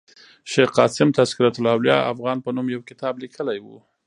شېخ قاسم تذکرة الاولياء افغان په نوم یو کتاب لیکلی ؤ.